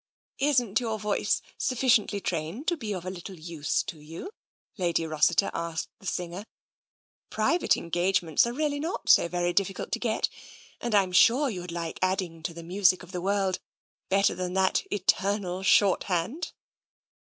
'' Isn't your voice sufficiently trained to be of a little use to you ?" Lady Rossiter asked the singer. " Private engagements are really not so very dif ficult to get, and Vm sure you'd like adding to the music of the world better than that eternal short hand."